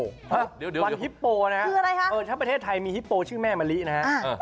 เดี๋ยวคืออะไรครับวันฮิปโปนะครับถ้าประเทศไทยมีฮิปโปชื่อแม่มะลินะครับ